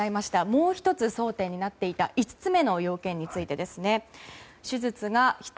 もう１つ争点になっていた５つ目の要件についてです。